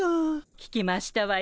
聞きましたわよ。